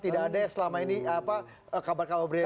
tidak ada yang selama ini kabar kabar